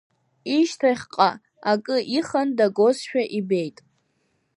Ишьҭахьҟа акы ихан дагозшәа ибеит.